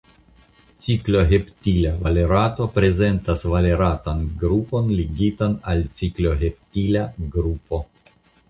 Cikloheptila valerato prezentas valeratan grupon ligitan al cikloheptilan grupo.